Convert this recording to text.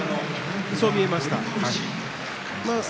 そう見えました。